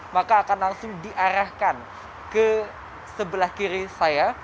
maka akan langsung diarahkan ke sebelah kiri saya